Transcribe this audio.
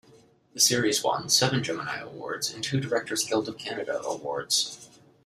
The series won seven Gemini Awards and two Directors Guild of Canada Awards.